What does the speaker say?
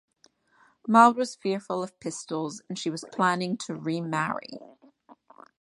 Maude was fearful of pistols and she was planning to remarry.